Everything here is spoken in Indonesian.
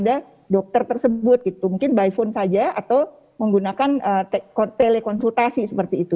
jadi itu bisa diberikan kepada dokter tersebut gitu mungkin by phone saja atau menggunakan telekonsultasi seperti itu